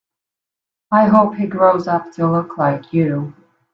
I hope he grows up to look like you.